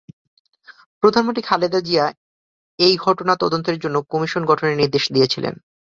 প্রধানমন্ত্রী খালেদা জিয়া এই ঘটনা তদন্তের জন্য কমিশন গঠনের নির্দেশ দিয়েছিলেন।